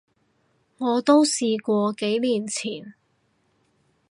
我都試過，幾年前